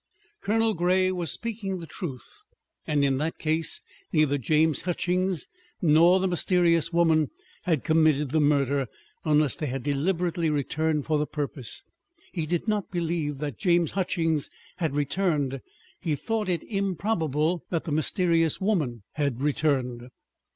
Colonel Grey was speaking the truth, and in that case neither James Hutchings nor the mysterious woman had committed the murder, unless they had deliberately returned for the purpose. He did not believe that James Hutchings had returned; he thought it improbable that the mysterious woman had returned.